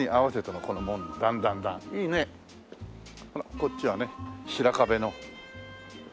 こっちはね白壁の。